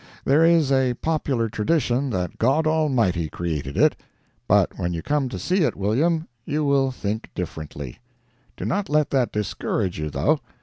There is a popular tradition that God Almighty created it; but when you come to see it, William, you will think differently. Do not let that discourage you, though.